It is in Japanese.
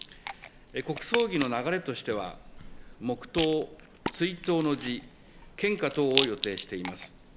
国葬儀の流れとしては、黙とう、追悼の辞、献花等を予定しています。